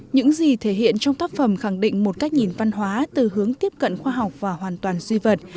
những gì thể hiện trong tác phẩm khẳng định một cách nhìn văn hóa từ hướng tiếp cận khoa học và hoàn toàn duy vật